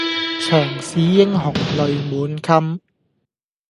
長使英雄淚滿襟